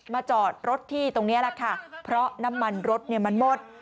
จอดรถที่ตรงนี้แหละค่ะเพราะน้ำมันรถเนี่ยมันหมด